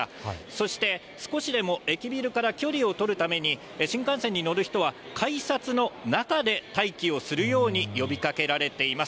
そして少しでも駅ビルから距離を取るために、新幹線に乗る人は、改札の中で待機をするように呼びかけられています。